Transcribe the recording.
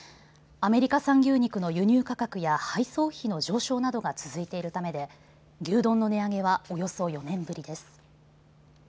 アメリカ産牛肉の輸入価格や配送費の上昇などが続いているためで牛丼の値上げはおよそ４年ぶりです。